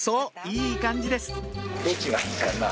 いい感じです